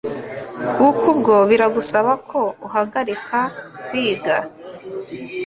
kuko ubwo biragusaba ko uhagarika kwiga